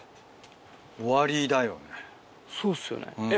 そうっすよねえっ。